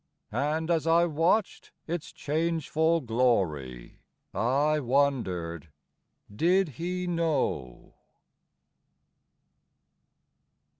And as I watched its changeful glory I wondered, —" Did he know?